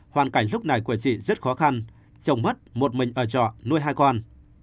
hoàn cảnh lúc này của chị rất khó khăn chồng mất một mình ở trọ nuôi hai con